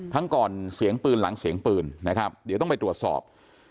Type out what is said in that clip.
ก่อนเสียงปืนหลังเสียงปืนนะครับเดี๋ยวต้องไปตรวจสอบ